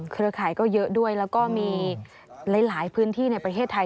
เครือข่ายก็เยอะด้วยแล้วก็มีหลายพื้นที่ในประเทศไทย